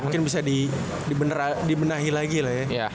mungkin bisa dibenahi lagi lah ya